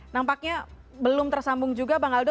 nampaknya belum tersambung juga bang aldo